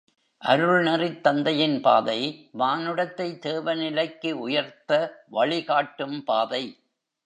அருள் நெறித் தந்தையின் பாதை, மானுடத்தை தேவநிலைக்கு உயர்த்த வழிகாட்டும் பாதை.